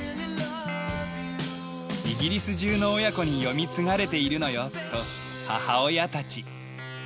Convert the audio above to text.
「イギリス中の親子に読み継がれているのよ」と母親たち。